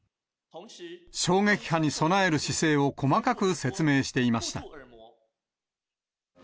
衝撃波に備える姿勢を細かく説明していました。